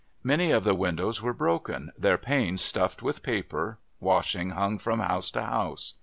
Many of the windows were broken, their panes stuffed with paper; washing hung from house to house.